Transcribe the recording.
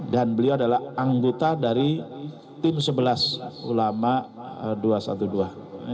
dan beliau adalah anggota dari tim sebelas ulama dua ratus dua belas